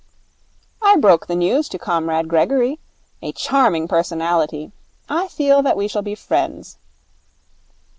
'I broke the news to Comrade Gregory. A charming personality. I feel that we shall be friends.'